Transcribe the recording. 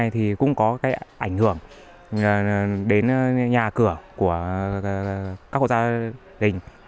thì cũng có cái ảnh hưởng đến nhà cửa của các hộ gia đình